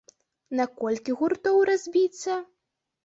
На колькі гуртоў разбіцца?